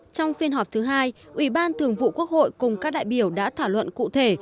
trong phiên họp thứ hai ủy ban thường vụ quốc hội cùng các đại biểu đã thảo luận cụ thể